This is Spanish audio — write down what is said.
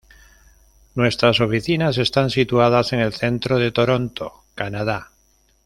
Nuestras oficinas están situadas en el centro de Toronto, Canadá.